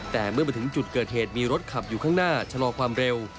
แต่เมื่อมาถึงจุดเกิดเหตุมีรถขับอยู่ข้างหน้าชะลอความเร็ว